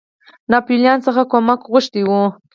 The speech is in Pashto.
ناپولیون څخه کومک غوښتی وو.